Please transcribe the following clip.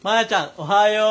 おはよう。